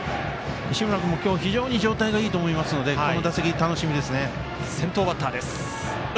西村君も今日、非常に状態がいいと思いますのでこの打席、楽しみです。